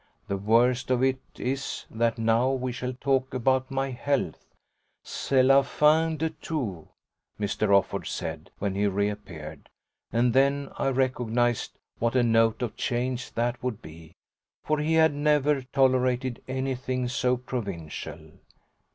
"The worst of it is that now we shall talk about my health C'EST LA FIN DE TOUT," Mr. Offord said when he reappeared; and then I recognised what a note of change that would be for he had never tolerated anything so provincial.